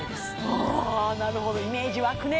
あなるほどイメージ湧くね